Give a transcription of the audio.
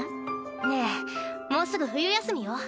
ねえもうすぐ冬休みよ。